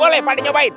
boleh pak d nyobain